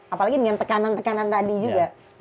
apalagi dengan tekanan tekanan tadi juga